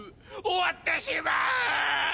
終わってしまう！